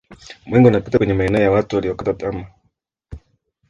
mwenge unapita kwenye maeneo ya watu waliyokata tama